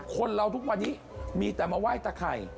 คนเราทุกวันนี้มีแต่มาไหว้ตะไข่